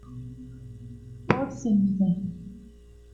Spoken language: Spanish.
Por semilla.